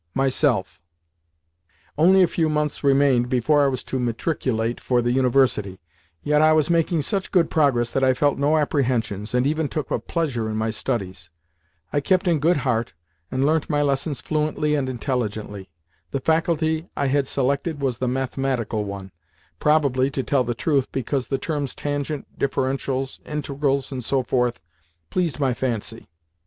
MYSELF Only a few months remained before I was to matriculate for the University, yet I was making such good progress that I felt no apprehensions, and even took a pleasure in my studies. I kept in good heart, and learnt my lessons fluently and intelligently. The faculty I had selected was the mathematical one—probably, to tell the truth, because the terms "tangent," "differentials," "integrals," and so forth, pleased my fancy.